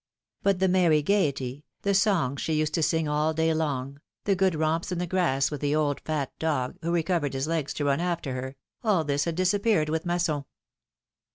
But the merry gayety, the songs she used to sing all day long, the good romps in the grass with the old, fat dog, who recovered his legs to run after her, all this had disappeared with Masson.